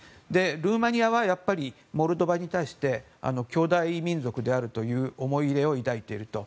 ルーマニアはモルドバに対して兄弟民族であるという思い入れを抱いていると。